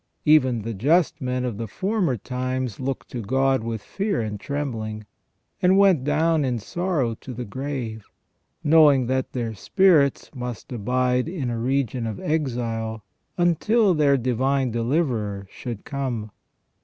Even the just men of the former times looked to God with fear and trembling, and went down in sorrow to the grave, knowing that their spirits must abide in a region of exile until their Divine Deliverer should come.